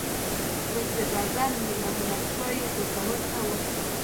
خپل صدراعظم نور محمد شاه یې پېښور ته واستاوه.